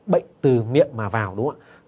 bệnh từ miệng mà vào đúng không ạ